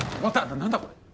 何だこれ？